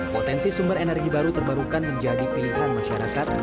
potensi sumber energi baru terbarukan menjadi pilihan masyarakat